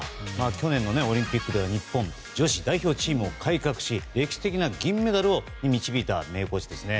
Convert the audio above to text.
去年のオリンピックでは日本女子代表チームを改革し歴史的な銀メダルに導いた名コーチですよね。